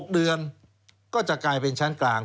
๖เดือนก็จะกลายเป็นชั้นกลาง